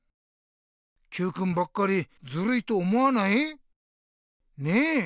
Ｑくんばっかりずるいと思わない？ねえ？